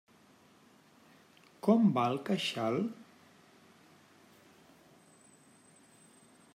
Com va el queixal?